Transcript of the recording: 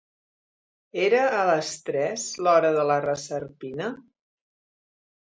Era a les tres l'hora de la reserpina?